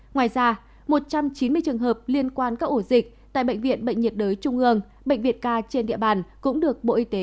ngoài ra một trăm chín mươi trường hợp liên quan các ổ dịch tại bệnh viện bệnh nhiệt đới trung ương bệnh viện ca trên địa bàn cũng được bộ y tế công bố trước đó